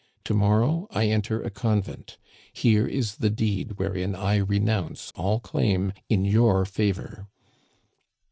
To morrow I enter a convent Here is the deed wherein I renounce all claim in your favor."